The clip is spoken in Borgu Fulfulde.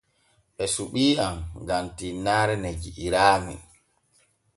Ɓe suɓii am gam tinnaare ne ji'iraami.